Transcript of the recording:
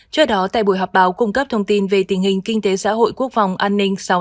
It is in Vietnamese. trước đó tại buổi họp báo cung cấp thông tin về tình hình kinh tế xã hội quốc phòng an ninh